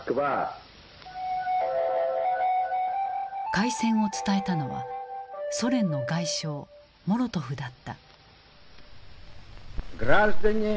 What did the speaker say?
開戦を伝えたのはソ連の外相モロトフだった。